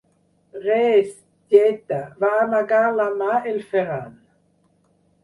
Res, tieta –va amagar la mà el Ferran.